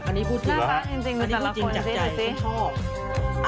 อันนี้พูดจริงจากใจ